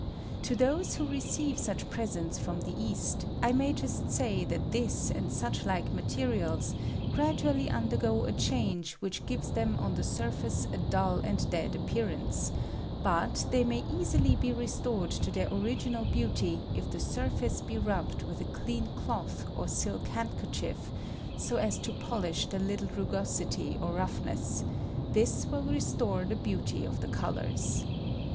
To those who receive such presents from the East, I may just say that this and such like II ^ materials gradually undergo a change which Uft gives them on the surface a dull and dead ap ^^1 pearance; but they may easily be restored to 154 CARBONIC ACID, their original beauty if the surface be rubbed with a clean cloth or silk handkerchief, so as to polish the little rugosity or roughness : this will restore the beauty of the colors.